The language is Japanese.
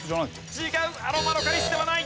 違うアロマロカリスではない。